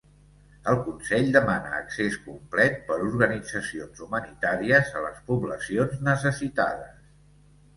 El Consell demana accés complet per organitzacions humanitàries a les poblacions necessitades.